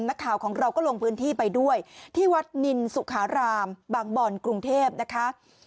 นักข่าวของเราก็ลงพื้นที่ไปด้วยที่วัดนินสุขารามบางบ่อนกรุงเทพนะคะ